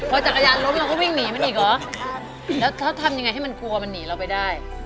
พอจักรยานล้มเราก็วิ่งหนีมันอีกเหรอแล้วถ้าทำยังไงให้มันกลัวมันหนีเราไปได้